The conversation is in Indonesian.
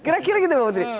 kira kira gitu mbak putri